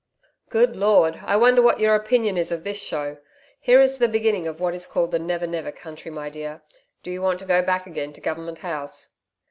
'Good Lord! I wonder what your opinion is of this show! Here is the beginning of what is called the Never Never Country, my dear. Do you want to go back again to Government House?'